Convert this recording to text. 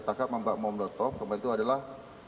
takap membawa bom molotov kemudian itu adalah